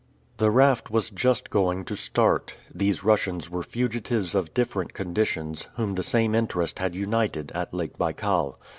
The raft was just going to start. These Russians were fugitives of different conditions, whom the same interest had united at Lake Baikal.